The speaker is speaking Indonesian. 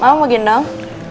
mau mau gendong